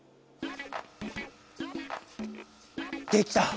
できた！